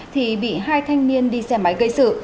thì bị hai thanh niên đi xe máy gây sự